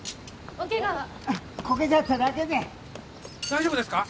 大丈夫ですか？